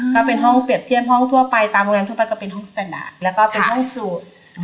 ก็เป็นห้องเปรียบเทียบห้องทั่วไปตามโรงแรมทั่วไปก็เป็นห้องสนามแล้วก็เป็นห้องสูตร